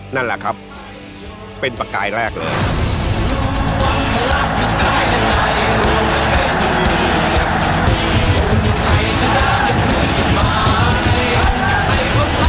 นั่นแหละครับเป็นประกายแรกเลย